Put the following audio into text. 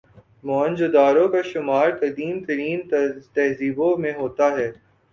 موئن جو دڑو کا شمار قدیم ترین تہذیبوں میں ہوتا ہے